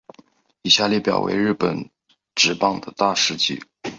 以下列表为日本职棒的大事纪。